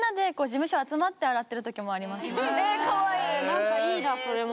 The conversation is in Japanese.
何かいいなそれも。